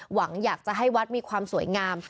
หวังอยากจะให้วัดมีความสวยงาม